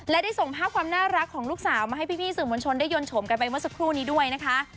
และได้ส่งภาพความน่ารักของลูกสาวมาให้พี่สื่อมวลชนได้ยนชมกันไปเมื่อสักครู่นี้ด้วยนะคะ